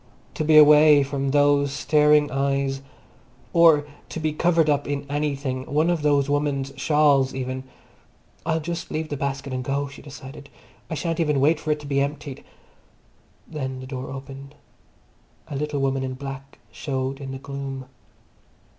To be away from those staring eyes, or to be covered up in anything, one of those women's shawls even. I'll just leave the basket and go, she decided. I shan't even wait for it to be emptied. Then the door opened. A little woman in black showed in the gloom.